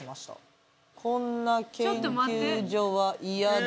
「こんな研究所は嫌だ」